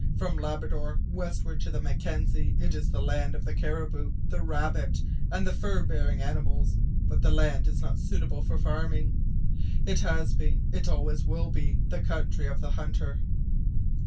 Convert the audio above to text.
From Labrador westward to the Mackenzie it is the land of the caribou, the rabbit, and the fur bearing animals, but the land is not suitable for farming. It has been, it will always be, the country of the hunter.